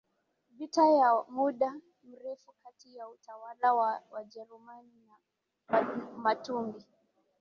vita ya muda mrefu kati ya utawala wa Wajerumani na Wamatumbi